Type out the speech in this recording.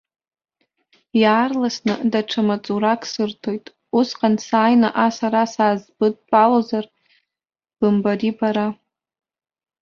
Иаарласны даҽа маҵурак сырҭоит, усҟан сааины ас ара саазбыдтәалозар бымбари бара!